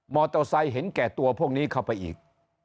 โตไซค์เห็นแก่ตัวพวกนี้เข้าไปอีก